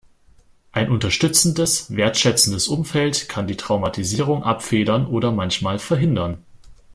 Ein unterstützendes, wertschätzendes Umfeld kann die Traumatisierung abfedern oder manchmal verhindern.